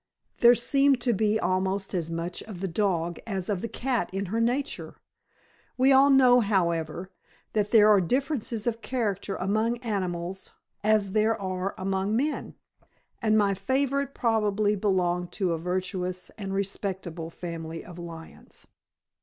There seemed to be almost as much of the dog as of the cat in her nature. We all know, however, that there are differences of character among animals as there are among men; and my favorite probably belonged to a virtuous and respectable family of lions.